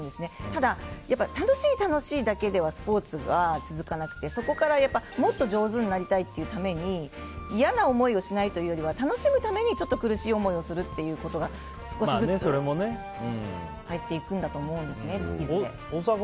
ただ、楽しい楽しいだけではスポーツは続かなくて、そこからもっと上手になりたいというために嫌な思いをしないというより楽しむためにちょっと苦しい思いをすることが少しずつ、いずれ入っていくんだと思うんですね。